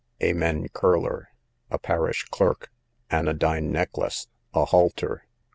Amen Curler, a parish clerk. Anodyne Necklace, a halter.